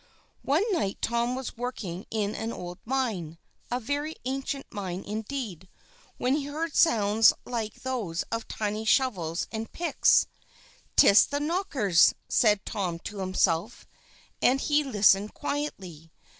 One night Tom was working hard in an old mine a very ancient mine indeed when he heard sounds like those of tiny shovels and picks. "'Tis the Knockers!" said Tom to himself, and he listened quietly.